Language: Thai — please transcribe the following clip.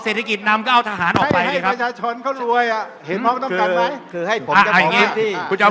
เศรษฐกิจนำในการแก้ไขปัญหา